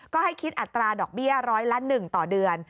ก็ให้คิดอัตราดอกเบี้ยร้อยละ๑ต่อเดือน